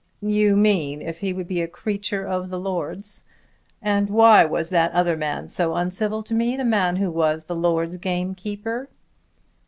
"You mean if he would be a creature of the lord's. And why was that other man so uncivil to me; the man who was the lord's gamekeeper?"